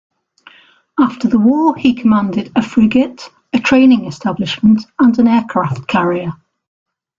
After the War he commanded a frigate, a training establishment and an aircraft carrier.